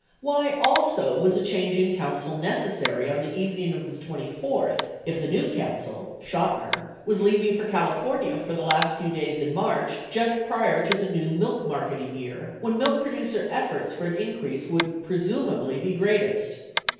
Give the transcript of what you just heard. Why, also was a change in counsel nec essary on the evening of the 24th if the new counsel (Chotiner) was leaving for California for the last few days in March just prior to the new milk marketing year when the milk producer efforts for an in crease would presumably be greatest